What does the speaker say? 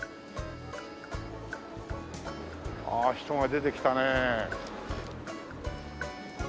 ああ人が出てきたね。